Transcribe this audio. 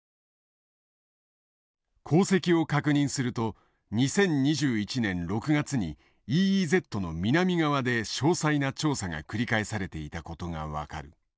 航跡を確認すると２０２１年６月にＥＥＺの南側で詳細な調査が繰り返されていたことが分かる。